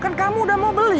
kan kamu udah mau beli